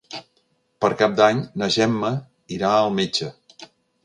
Per Cap d'Any na Gemma irà al metge.